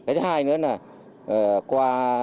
cái thứ hai nữa là qua